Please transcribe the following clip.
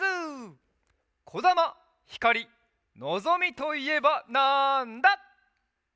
「こだま」「ひかり」「のぞみ」といえばなんだ？